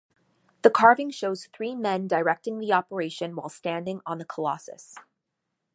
The carving shows three men directing the operation while standing on the Colossus.